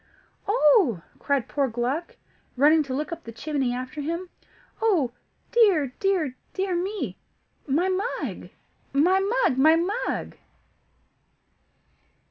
"Oh!" cried poor Gluck, running to look up the chimney after him; "oh dear, dear, dear me! My mug! my mug! my mug!"